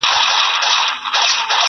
اوس به څه ليكې شاعره٫